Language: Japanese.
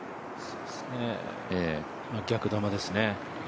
逆球ですね。